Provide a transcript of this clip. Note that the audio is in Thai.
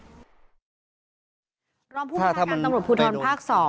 รองผู้พักการตำรวจภูทรภาค๒